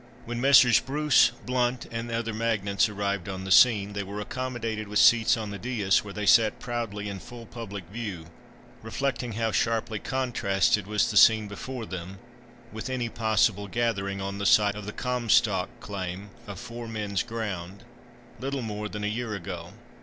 When Messrs. Bruce, Blount, and other magnates arrived on the scene, they were accommodated with seats on the daïs, where they sat proudly in full public view, reflecting how sharply contrasted was the scene before them with any possible gathering on the site of the "Comstock Claim"—"of four men's ground"—little more than a year ago!